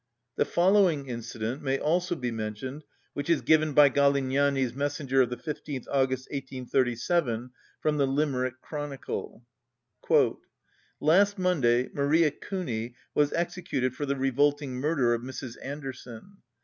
The following incident may also be mentioned which is given by Galignani's Messenger of the 15th August 1837, from the Limerick Chronicle: "Last Monday Maria Cooney was executed for the revolting murder of Mrs. Anderson.